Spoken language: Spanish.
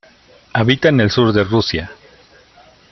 Habita en el sur de Rusia.